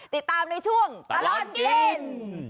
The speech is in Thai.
ติดตามในช่วงตลอดกิน